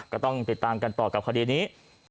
ก็ต้องติดตามกันต่อกับคดีนี้